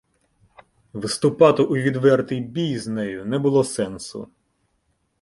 Вступати у відвертий бій з нею не було сенсу.